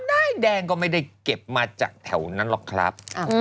นายแดงก็ไม่ได้เก็บมาจากแถวนั้นหรอกครับ